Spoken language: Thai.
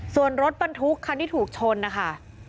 ส่วนรถปันทุกข์ครั้งที่ถูกชนนะคะ